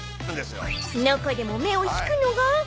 ［中でも目を引くのが］